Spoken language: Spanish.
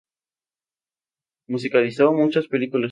Musicalizó muchas películas.